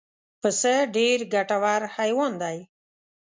پسه ډېر ګټور حیوان دی.